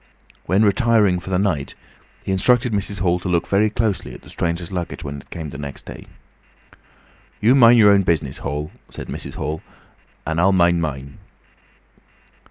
When retiring for the night he instructed Mrs. Hall to look very closely at the stranger's luggage when it came next day. "You mind your own business, Hall," said Mrs. Hall, "and I'll mind mine."